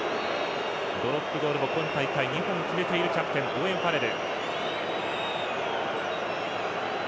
ドロップゴールも今大会２本決めているキャプテンのオーウェン・ファレル。